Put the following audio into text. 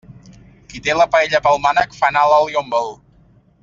Qui té la paella pel mànec, fa anar l'oli on vol.